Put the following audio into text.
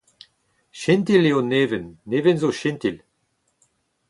Jentil eo Neven. Neven zo jentil.